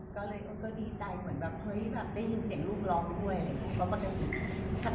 ก็เลยก็ดีใจเหมือนแบบเฮ้ยแบบได้ยินเสียงลูกร้องด้วยอะไรอย่างนี้